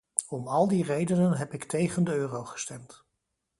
Om al die redenen heb ik tegen de euro gestemd.